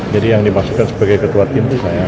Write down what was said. jadi yang dipasukan sebagai ketua tim itu saya